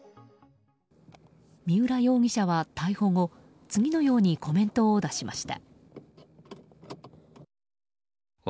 三浦容疑者は逮捕後次のようにコメントを出しました。